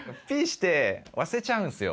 して忘れちゃうんですよ。